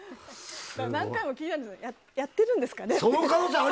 何回もやってるんですかね？